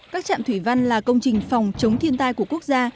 các trạm thủy văn là công trình phòng chống thiên tai của quốc gia